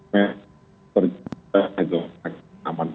maksudnya itu akan aman